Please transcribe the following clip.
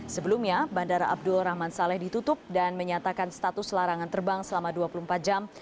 sebelumnya bandara abdul rahman saleh ditutup dan menyatakan status larangan terbang selama dua puluh empat jam